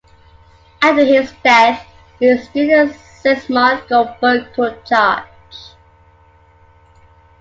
After his death, his student Szymon Goldberg took charge.